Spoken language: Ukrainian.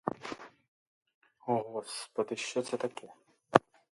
О господи, що це таке?